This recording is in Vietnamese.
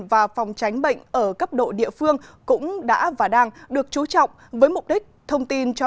và phòng tránh bệnh ở cấp độ địa phương cũng đã và đang được chú trọng với mục đích thông tin cho